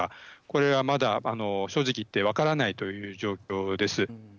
これはまだ、正直言って分からないという状況です。